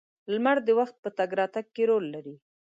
• لمر د وخت په تګ راتګ کې رول لري.